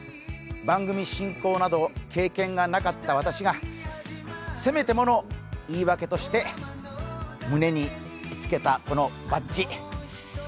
番組進行など経験がなかった私がせめてもの言い訳として、胸につけたこのバッチ。